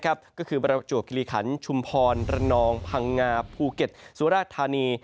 ก็คือประจวบคิริขันชุมพรระนองพังงาภูเก็ตสุราชธานี